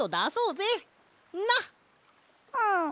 うん。